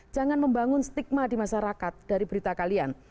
jangan membangun stigma di masyarakat dari berita kalian